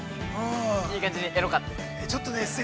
◆いい感じでエロかった。